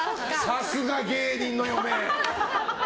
さすが芸人の嫁。